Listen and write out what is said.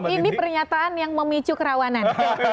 ini pernyataan yang memicu kerawanan